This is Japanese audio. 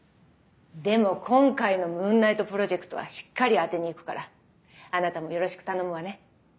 でも今回のムーンナイトプロジェクトはしっかり当てにいくからあなたもよろしく頼むわね。